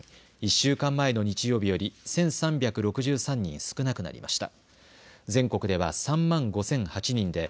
１週間前の日曜日より１３６３人少なくなりました。